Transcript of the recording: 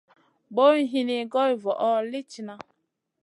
Boyna hini goy voʼo li tihna.